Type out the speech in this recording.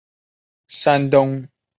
山东莱西县索兰村人。